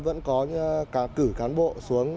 vẫn có cử cán bộ xuống